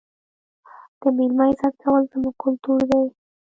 د مېلمه عزت کول زموږ کلتور دی.